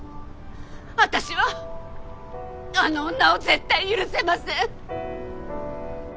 私はあの女を絶対許せません！